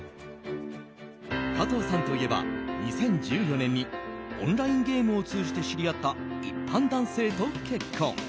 加藤さんといえば、２０１４年にオンラインゲームを通じて知り合った一般男性と結婚。